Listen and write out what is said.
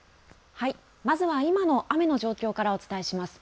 まずは今の雨の状況からお伝えします。